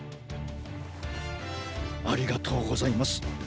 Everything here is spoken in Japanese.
ありがとうございます。